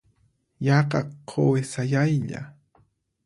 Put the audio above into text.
Yaqa quwi sayaylla.